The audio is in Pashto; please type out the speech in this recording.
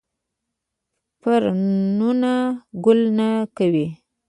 فرنونه ګل نه کوي